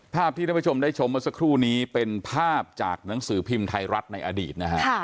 ภาพที่ท่านผู้ชมได้ชมเมื่อสักครู่นี้เป็นภาพจากหนังสือพิมพ์ไทยรัฐในอดีตนะฮะ